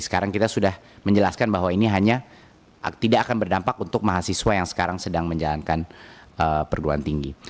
sekarang kita sudah menjelaskan bahwa ini hanya tidak akan berdampak untuk mahasiswa yang sekarang sedang menjalankan perguruan tinggi